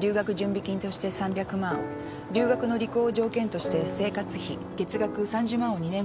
留学準備金として３００万留学の履行を条件として生活費月額３０万を２年ごとにまとめて払う。